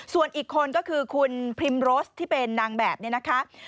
ส่วนอีกคนก็คือคุณพิมโรสที่เป็นนางแบบนี้นะคะ